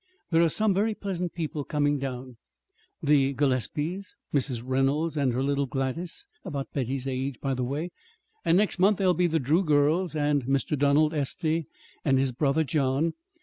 There are some very pleasant people coming down. The Gillespies, Mrs. Reynolds and her little Gladys, about Betty's age, by the way, and next month there'll be the Drew girls and Mr. Donald Estey and his brother John.